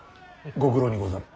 ご苦労にござる。